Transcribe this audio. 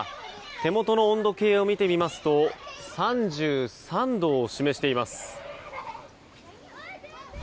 手元の温度計を見てみますと３３度を示しています。